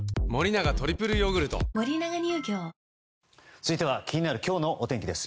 続いては気になる今日のお天気です。